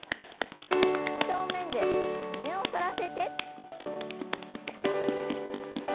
正面で胸を反らせて。